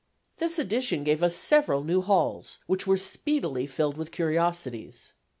This addition gave us several new halls, which were speedily filled with curiosities.